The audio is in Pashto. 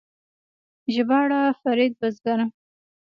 ژباړه فرید بزګر